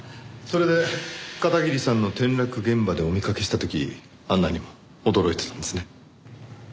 それで片桐さんの転落現場でお見かけした時あんなにも驚いてたんですね。